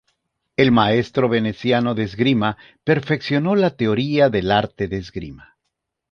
El maestro veneciano de esgrima perfeccionó la teoría del arte de esgrima.